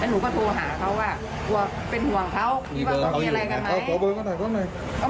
แล้วหนูก็โทรหาเขาว่าว่าเป็นห่วงเขา